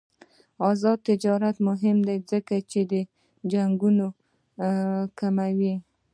آزاد تجارت مهم دی ځکه چې جنګونه کموي.